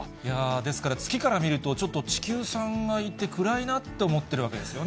ですから、月から見ると、ちょっと地球さんがいて、暗いなと思ってるわけですよね。